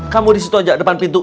kamu di situ aja depan pintu